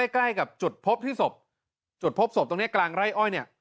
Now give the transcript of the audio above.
ใกล้กับจุดพบที่ศพจุดพบศพตรงนี้กลางไร่อ้อยเนี่ย